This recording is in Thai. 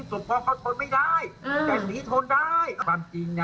มันต้องมาสัมผัสกับแกอืมอย่างนักของหน้าข่าวไปน่ะ